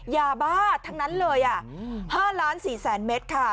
ยาบ้าทั้งนั้นเลย๕ล้าน๔แสนเมตรค่ะ